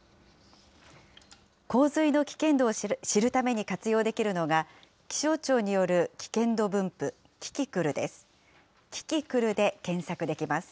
洪水の危険度を知るために活用できるのが、気象庁による危険度分布、キキクルです。